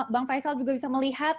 bang faisal juga bisa melihat